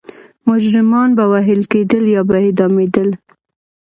مجرمان به وهل کېدل یا به اعدامېدل.